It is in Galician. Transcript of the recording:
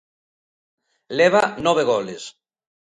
Leva nove goles.